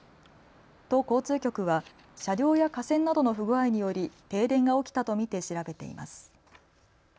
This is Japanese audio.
都交通局は車両や架線などの不具合により停電が起きたと見て調べています。